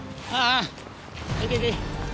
あぁ。